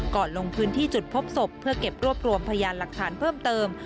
ลงพื้นที่จุดพบศพเพื่อเก็บรวบรวมพยานหลักฐานเพิ่มเติม